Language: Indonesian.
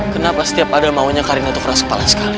kenapa setiap ada maunya karina tukeras kepala sekali